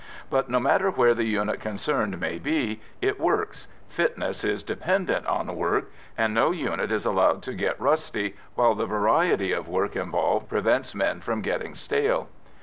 But, no matter where the unit concerned may be, it works fitness is dependent on work, and no unit is allowed to get rusty, while the variety of work involved prevents men from getting stale.